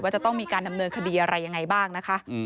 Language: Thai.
จะต้องมีการดำเนินคดีอะไรยังไงบ้างนะคะ